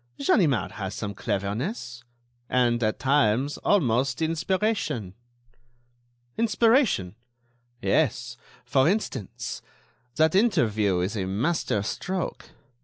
"Ganimard has some cleverness; and, at times, almost inspiration." "Inspiration!" "Yes. For instance, that interview is a master stroke.